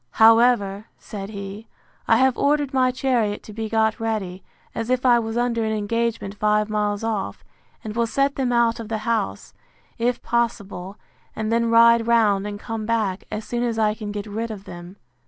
However, said he, I have ordered my chariot to be got ready, as if I was under an engagement five miles off, and will set them out of the house, if possible; and then ride round, and come back, as soon as I can get rid of them.